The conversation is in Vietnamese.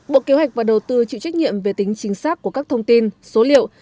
bộ kế hoạch và đầu tư chịu trách nhiệm về tính chính xác của các thông tin số liệu